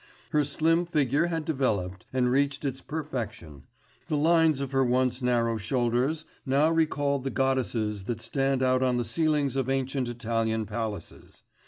Her slim figure had developed and reached its perfection, the lines of her once narrow shoulders now recalled the goddesses that stand out on the ceilings of ancient Italian palaces.